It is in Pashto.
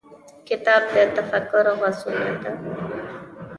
کتاب د تفکر غزونه ده.